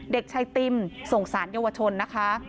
เด็กชายติมส่งสารเยาวชนนะคะ